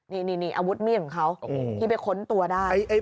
นี่อาวุธมีดของเขาที่ไปค้นตัวได้